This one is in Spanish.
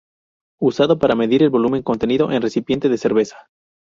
Usado para medir el volumen contenido en recipiente de cerveza.